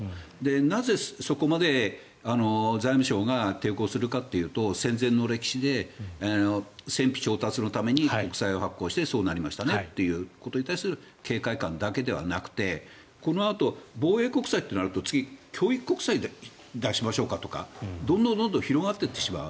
なぜ、そこまで財務省が抵抗するかというと戦前の歴史で戦費調達のために国債を発行してそうなりましたねということに対する警戒感だけではなくてこのあと防衛国債となると次、教育国債を出しましょうかとかどんどん広がっていってしまう。